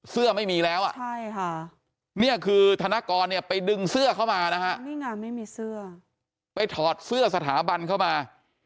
เสื้อไม่มีแล้วอ่ะนี่คือธนกรเนี่ยไปดึงเสื้อเข้ามานะฮะไปถอดเสื้อสถาบันเข้ามา